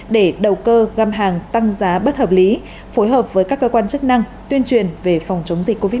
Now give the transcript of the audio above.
để đầu cơ găm hàng tăng giá bất hợp lý phối hợp với các cơ quan chức năng tuyên truyền về phòng chống dịch covid một mươi chín